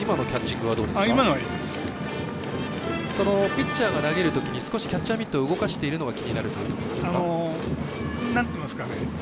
ピッチャーが投げるときに少しキャッチャーミットを動かしているのが気になるところですか？